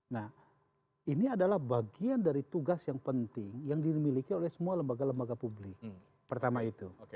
nah ini adalah bagian dari tugas yang penting yang dimiliki oleh semua lembaga lembaga publik pertama itu